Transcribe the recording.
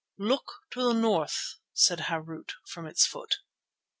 "Look to the north," said Harût from its foot.